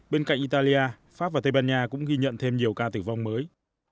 bên cạnh italia pháp và tây ban nha cũng ghi nhận thêm nhiều ca tử vong mới